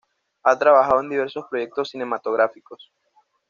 Ha trabajado en diversos proyectos cinematográficos.